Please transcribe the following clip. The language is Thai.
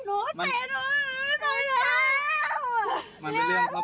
ตื่มหัวเจ็ด